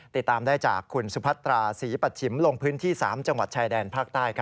ติดตามได้จากคุณสุพัตราศรีปัชชิมลงพื้นที่๓จังหวัดชายแดนภาคใต้